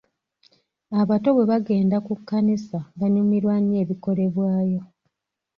Abato bwe bagenda ku kkanisa banyumirwa nnyo ebikolebwayo.